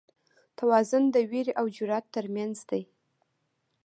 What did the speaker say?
توازن د وېرې او جرئت تر منځ دی.